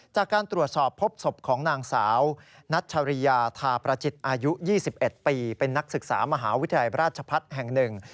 จากการตรวจสอบพบศพของนางสาวนัชริยาทาประจิตอายุ๒๑ปีเป็นนักศึกษามหาวิทยาลัยราชพัฒน์แห่งหนึ่ง